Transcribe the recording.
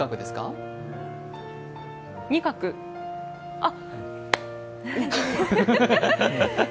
あっ！